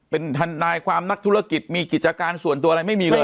เป็นทนายความนักธุรกิจมีกิจการส่วนตัวอะไรไม่มีเลย